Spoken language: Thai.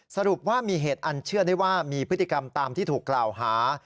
สรุปว่ามีเหตุอันเชื่อได้ว่ามีพฤติกรรมตามที่ถูกกล่าวหา